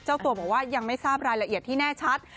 เจ้าตัวบอกว่ายังไม่ทราบรายละเอียดที่แน่ชัด